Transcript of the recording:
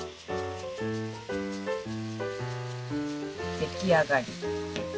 出来上がり。